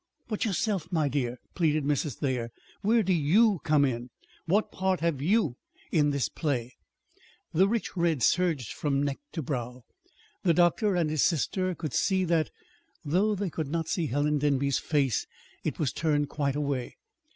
"But yourself, my dear," pleaded Mrs. Thayer. "Where do you come in? What part have you in this play?" The rich red surged from neck to brow. The doctor and his sister could see that, though they could not see Helen Denby's face. It was turned quite away.